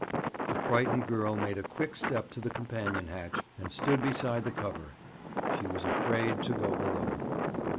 The frightened girl made a quick step to the companion hatch, and stood beside the cover; she was afraid to go below.